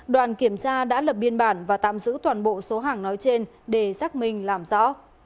đoàn kiểm tra đã lập biên bản và tạm giữ toàn bộ số hàng nói trên để xác minh làm rõ